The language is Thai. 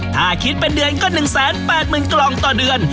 ถ้าคิดเป็นเดือนก็๑๘๐๐๐กล่องต่อเดือน